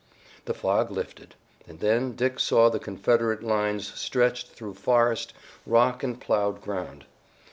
The fog lifted, and then Dick saw the Confederate lines stretched through forest, rock and ploughed ground.